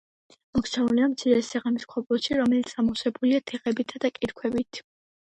მოქცეულია მცირე სიღრმის ქვაბულში, რომელიც ამოვსებულია თიხებითა და კირქვებით.